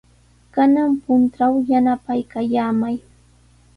Kanan puntraw yanapaykallamay.